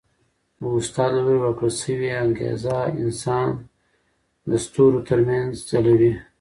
د استاد له لوري ورکړل سوی انګېزه انسان د ستورو تر منځ ځلوي.